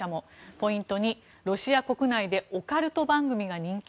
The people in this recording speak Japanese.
ポイント２、ロシア国内でオカルト番組が人気？